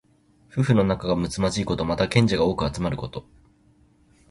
夫婦の仲がむつまじいこと。または、賢者が多く集まること。